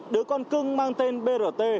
đứa con cưng mang tên brt